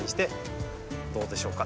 どうでしょうか？